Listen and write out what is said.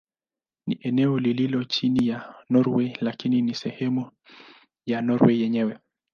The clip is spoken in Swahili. Ni eneo lililopo chini ya Norwei lakini si sehemu ya Norwei yenyewe.